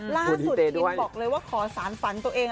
ล่าสุดชินบอกเลยว่าขอสารฝันตัวเอง